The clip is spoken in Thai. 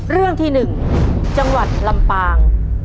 เรื่องที่๑จังหวัดลำปาง